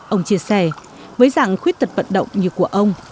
ông chia sẻ với dạng khuyết tật vận động như của ông